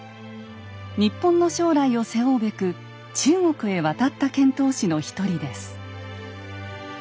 日本の将来を背負うべく中国へ渡った遣唐使の一人です。